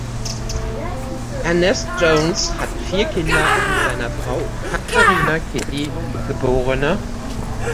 Ernest Jones hatte vier Kinder mit seiner Frau Katerina „Kitty“, geb.